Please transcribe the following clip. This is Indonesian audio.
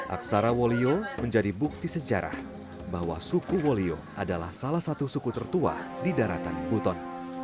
aksara wolio menjadi bukti sejarah bahwa suku wolio adalah salah satu suku tertua di daratan buton